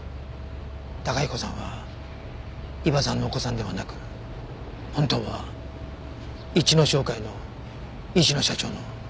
崇彦さんは伊庭さんのお子さんではなく本当は市野商会の市野社長の。